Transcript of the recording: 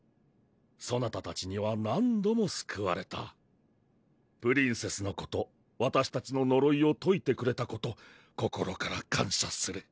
そなたたちには何度もすくわれたプリンセスのことわたしたちののろいをといてくれたこと心から感謝する